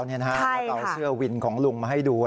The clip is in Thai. พอเราเอาเสื้อวินของลุงมาให้ดู